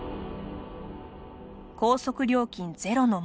高速料金ゼロの文字。